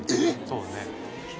そうだね。